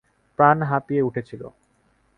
প্রাণ হাঁপিয়ে উঠেছিল।